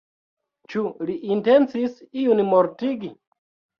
Ĉu li intencis iun mortigi?